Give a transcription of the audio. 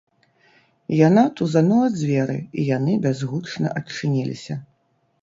Яна тузанула дзверы, і яны бязгучна адчыніліся.